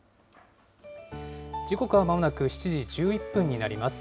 時刻はまもなく７時１１分になります。